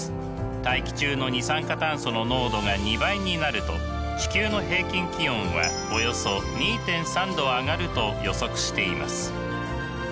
大気中の二酸化炭素の濃度が２倍になると地球の平均気温はおよそ２．３℃上がると予測しています。